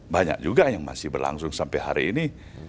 banyak juga yang masih berlangsung sampai hari ini